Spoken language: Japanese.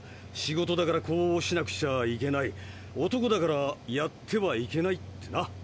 「仕事だからこうしなくちゃいけない」「男だからやってはいけない」ってな。